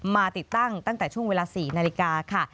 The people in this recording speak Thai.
ติดตั้งแต่ช่วงเวลา๔นาฬิกาค่ะ